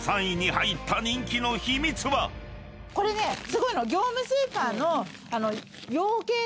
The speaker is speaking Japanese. これねすごいの。